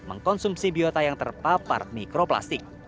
untuk konsumsi biota yang terpapar mikroplastik